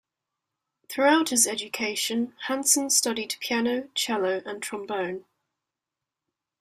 Throughout his education, Hanson studied piano, cello, and trombone.